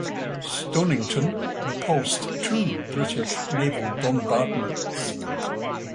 Stonington repulsed two British naval bombardments.